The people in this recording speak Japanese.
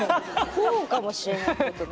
こうかもしれないってことね。